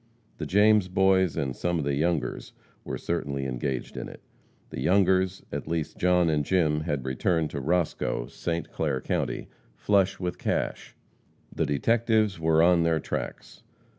The James Boys and some of the Youngers were certainly engaged in it. The Youngers, at least John and Jim, had returned to Roscoe, St. Clair county, "flush with cash." The detectives were on their tracks.